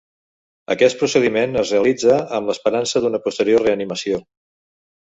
Aquest procediment es realitza amb l'esperança d'una posterior reanimació.